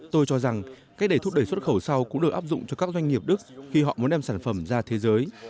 tôi cho rằng cách để thúc đẩy xuất khẩu sau cũng được áp dụng cho các doanh nghiệp đức khi họ muốn đem sản phẩm ra thế giới